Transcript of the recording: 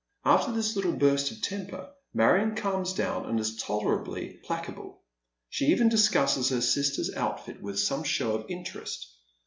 After this little burst of temper Marion calms down and is tolerably placable. She even discusses her sister's outfit with some show of interest.